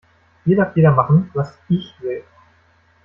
Hier darf jeder machen, was ich will.